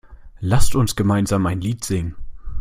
Lasst uns gemeinsam ein Lied singen!